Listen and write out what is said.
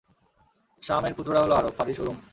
সাম-এর পুত্ররা হলো আরব, ফারিস ও রূম।